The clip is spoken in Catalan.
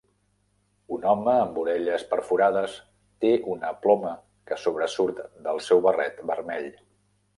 Un home amb orelles perforades té una ploma que sobresurt del seu barret vermell.